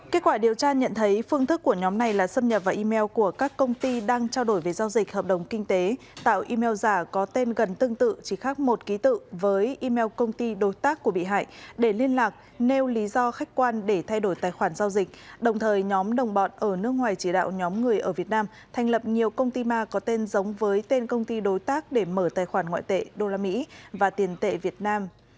kết quả điều tra nhận thấy phương thức của nhóm này là xâm nhập vào email của các công ty đang trao đổi về giao dịch hợp đồng kinh tế tạo email giả có tên gần tương tự chỉ khác một ký tự với email công ty đối tác của bị hại để liên lạc nêu lý do khách quan để thay đổi tài khoản giao dịch đồng thời nhóm đồng bọn ở nước ngoài chỉ đạo nhóm người ở việt nam thành lập nhiều công ty ma có tên giống với tên công ty đối tác để mở tài khoản ngoại tệ đô la mỹ và tiền tệ việt nam